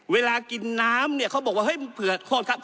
เวลากินน้ำเขาบอกว่าเผื่อโฆษะ